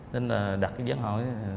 nên là đặt cái giấy hỏi